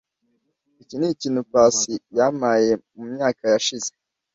Iki nikintu Pacy yampaye mumyaka yashize.